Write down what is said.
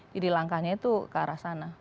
jadi langkahnya itu ke arah sana